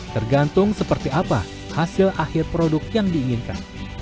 tergantung seperti apa hasil akhir produk yang diinginkan